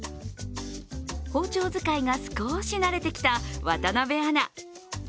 包丁使いが少し慣れてきた渡部アナ。